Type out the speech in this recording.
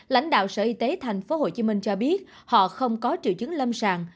lãnh đạo sở y tế tp hcm cho biết họ không có triệu chứng lâm sàng